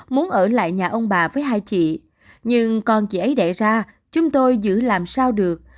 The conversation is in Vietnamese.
muốn ở lại nhà ông bà với hai chị nhưng con chị ấy đẻ ra chúng tôi giữ làm sao được